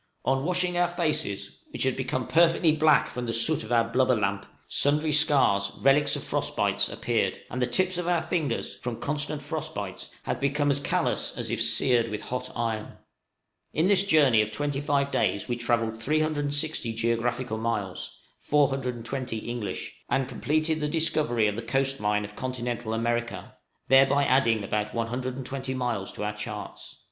On washing our faces, which had become perfectly black from the soot of our blubber lamp, sundry scars, relics of frost bites, appeared; and the tips of our fingers, from constant frost bites, had become as callous as if seared with hot iron. In this journey of twenty five days we travelled 360 geographical miles (420 English), and completed the discovery of the coast line of continental America, thereby adding about 120 miles to our charts.